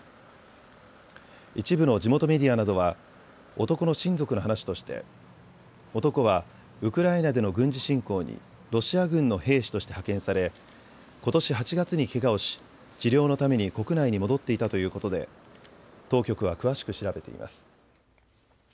一部の地元メディアなどは男の親族の話として男はウクライナでの軍事侵攻にロシア軍の兵士として派遣されことし８月にけがをし治療のために国内に戻っていたということで当局は詳しく調べています。